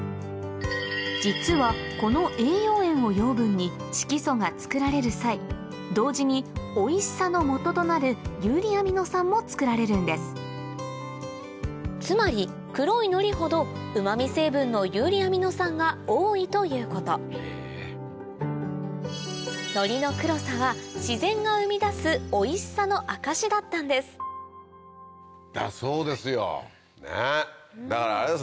実はこの栄養塩を養分に色素がつくられる際同時においしさのもととなる遊離アミノ酸もつくられるんですつまり黒いのりほどうま味成分の遊離アミノ酸が多いということのりの黒さは自然が生み出すおいしさの証しだったんですだそうですよねぇだからあれですね